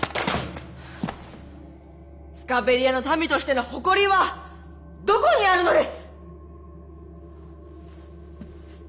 スカベリアの民としての誇りはどこにあるのです！